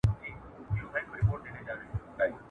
ورته پیسې راځي مالونه راځي !.